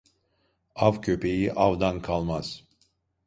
Av köpeği avdan kalmaz.